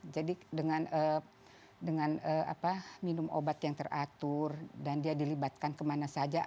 jadi dengan minum obat yang teratur dan dia dilibatkan kemana saja